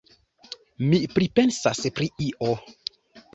Mi pripensas pri io.